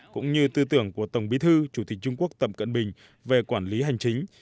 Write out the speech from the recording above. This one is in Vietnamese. cũng như tư tưởng của tổng bí thư chủ tịch trung quốc tập cận bình về quản lý hành chính